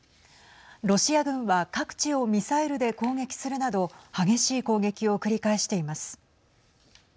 ロシア軍は各地をミサイルで攻撃するなど激しい攻撃を繰り返しています。